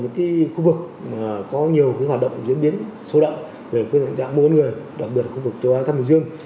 những cái khu vực mà có nhiều cái hoạt động diễn biến sâu đậm về cái dạng mua bán người đặc biệt là khu vực châu á tháp bình dương